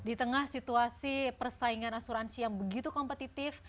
di tengah situasi persaingan asuransi yang begitu kompetitif